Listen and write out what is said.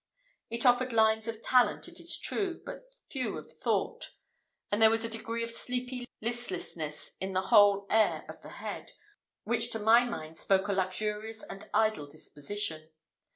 It offered lines of talent, it is true, but few of thought; and there was a degree of sleepy listlessness in the whole air of the head, which to my mind spoke a luxurious and idle disposition.